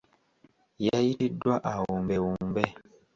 Yayitiddwa awumbewumbe.